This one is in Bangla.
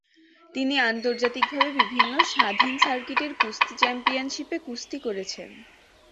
তিনি আন্তর্জাতিকভাবে বিভিন্ন স্বাধীন সার্কিটের কুস্তি চ্যাম্পিয়নশীপে কুস্তি করেছেন।